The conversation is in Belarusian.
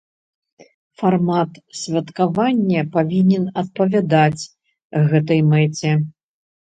Фармат святкавання павінен адпавядаць гэтай мэце.